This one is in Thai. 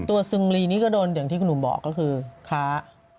ซึงรีนี่ก็โดนอย่างที่คุณหนุ่มบอกก็คือค้า